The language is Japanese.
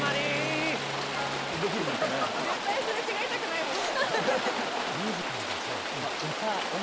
絶対すれ違いたくないもん。